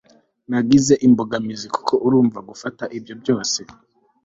nagize imbogamizi kuko urumva gufata ibyo byose